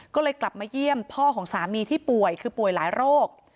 ก็เลยกลับมาเยี่ยมพ่อของสามีที่ป่วยคือป่วยหลายโรค